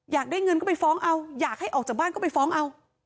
อยากได้เงินก็ไปฟ้องเอาอยากให้ออกจากบ้านก็ไปฟ้องเอา